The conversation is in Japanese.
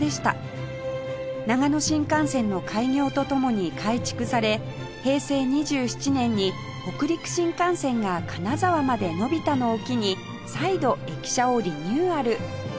長野新幹線の開業と共に改築され平成２７年に北陸新幹線が金沢まで延びたのを機に再度駅舎をリニューアル